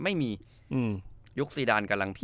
ไม่มียุคซีดานกำลังผิด